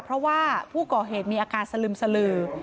เพราะว่าผู้ก่อเหตุมีอาการสลึมสลือ